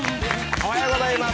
おはようございます。